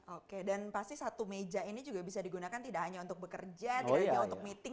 oke dan pasti satu meja ini juga bisa digunakan tidak hanya untuk bekerja tidak hanya untuk meeting